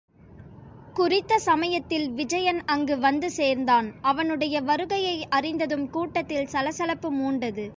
குறித்த சமயத்தில் விஜயன் அங்கு வந்து சேர்ந்தான் அவனுடைய வருகையை அறிந்ததும் கூட்டத்தில் சலசலப்பு மூண்டது.